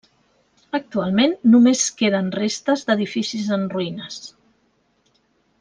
Actualment només queden restes d'edificis en ruïnes.